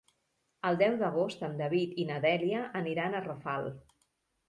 El deu d'agost en David i na Dèlia aniran a Rafal.